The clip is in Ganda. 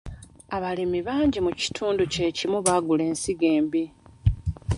Abalimi bangi mu kitundu kye kimu baagula ensigo embi.